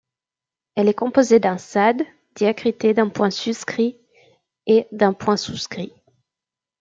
Elle est composée d’un ṣād diacrité d’un point suscrit et d’un point souscrit.